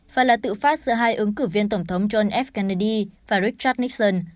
và là tự phát giữa hai ứng cử viên tổng thống john f kennedy và rick trudnickson